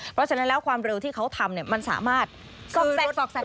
เพราะฉะนั้นแล้วความเร็วที่เขาทำมันสามารถสอกสัน